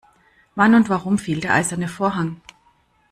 Wann und warum fiel der eiserne Vorhang?